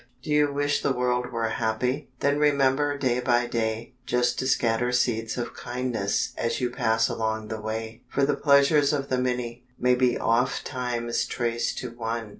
Do you wish the world were happy? Then remember day by day Just to scatter seeds of kindness As you pass along the way, For the pleasures of the many May be ofttimes traced to one.